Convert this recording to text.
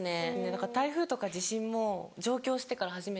だから台風とか地震も上京してから初めて。